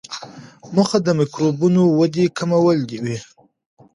موخه د میکروبونو ودې کمول وي.